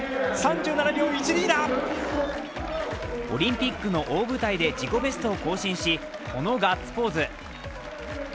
オリンピックの大舞台で自己ベストを更新し、このガッツポーズ。